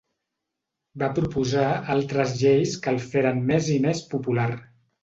Va proposar altres lleis que el feren més i més popular.